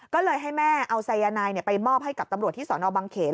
ก็เลยให้แม่เอาสายนายไปมอบให้กับตำรวจที่สอนอบังเขน